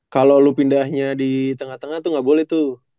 kalau lo pindahnya di tengah tengah tuh nggak boleh tuh